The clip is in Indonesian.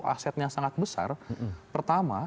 asetnya sangat besar pertama